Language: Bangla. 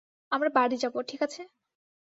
আমরা বাড়ি যাব, ঠিক আছে?